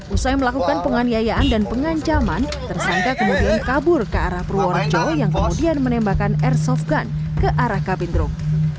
usai melakukan penganiayaan dan pengancaman tersangka kemudian kabur ke arah purworejo yang kemudian menembakkan airsoft gun ke arah kabin truk